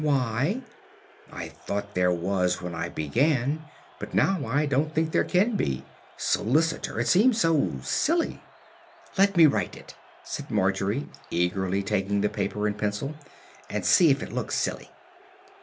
"Why?" "I thought there was when I began, but now I don't think there can be. 'Solicitor' it seems so silly." "Let me write it," said Margery, eagerly taking the paper and pencil, "and see if it looks silly."